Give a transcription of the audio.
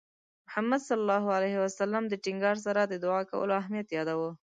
محمد صلى الله عليه وسلم د ټینګار سره د دُعا کولو اهمیت یاداوه.